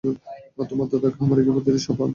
তোমার দাদার খামারে গিয়ে প্রতিদিন পাম্প চালু করো।